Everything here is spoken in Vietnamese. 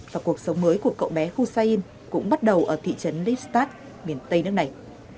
và cuộc sống mới của cậu bé hussein cũng bắt đầu ở thị trấn lipsstadt miền tây nước này